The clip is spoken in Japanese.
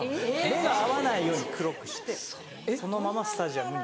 目が合わないように黒くしてそのままスタジアムに。